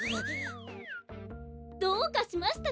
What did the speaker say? どうかしましたか？